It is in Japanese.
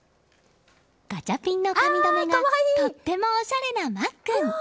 ガチャピンの髪留めがとってもおしゃれなマックン。